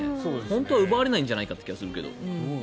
本当は奪われないんじゃないかって気がするんだけど。